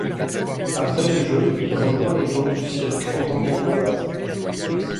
Après les Jeux, il rejoint les gens du cirque en tant qu'acrobate.